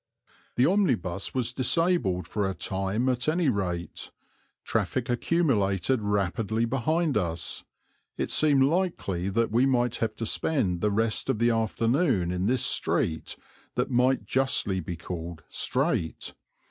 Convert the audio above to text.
The omnibus was disabled for a time at any rate; traffic accumulated rapidly behind us; it seemed likely that we might have to spend the rest of the afternoon in this street that might justly be called Strait.